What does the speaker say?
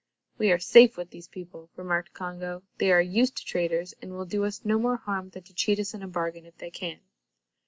"We are safe with these people," remarked Congo. "They are used to traders, and will do us no more harm than to cheat us in a bargain, if they can."